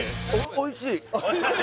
おいしい？